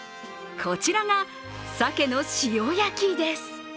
こちらが、鮭の塩焼きです。